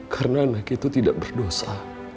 karena anak itu tidak berdosa